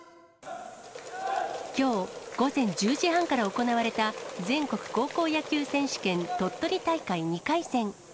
きょう午前１０時半から行われた全国高校野球選手権鳥取大会２回戦。